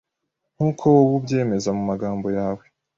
nk’uko wowe ubyemeza mumagambo yawe